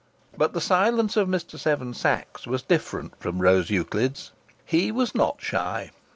But the silence of Mr. Seven Sachs was different from Rose Euclid's. He was not shy.